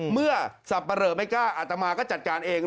สับปะเหลอไม่กล้าอาตมาก็จัดการเอง